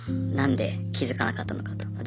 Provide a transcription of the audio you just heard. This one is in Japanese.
何で気付かなかったのかと。